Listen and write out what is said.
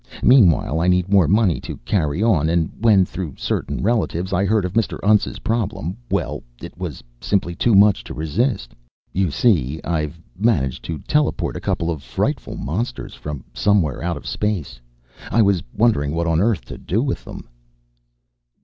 Meanwhile I need more money to carry on and when, through certain relatives, I heard of Mr. Untz's problem well, it was simply too much to resist. You see, I've managed to teleport a couple of frightful monsters from somewhere out of space. I was wondering what on earth to do with them."